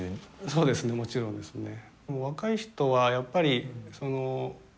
そうですねもちろんですね。